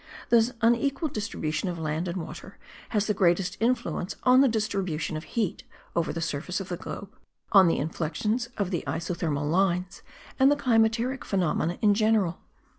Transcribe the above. This unequal distribution of land and water has the greatest influence on the distribution of heat over the surface of the globe, on the inflexions of the isothermal lines, and the climateric phenomena in general.